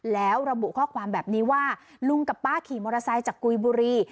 แล้วระบุข้อความแบบนี้ว่าลุงกับป้าขี่มอเตอร์ไซค์จากกุยบุรี